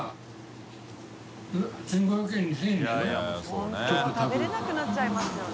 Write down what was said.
本当食べれなくなっちゃいますよね。